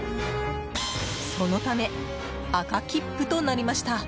そのため、赤切符となりました。